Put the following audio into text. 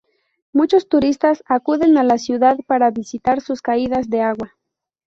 Muchos turistas acuden a la ciudad para visitar sus caídas de agua.